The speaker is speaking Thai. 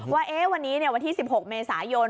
ว่าวันนี้วันที่๑๖เมษายน